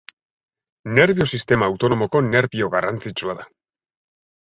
Nerbio sistema autonomoko nerbio garrantzitsua da.